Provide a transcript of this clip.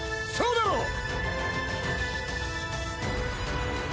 そうだろ！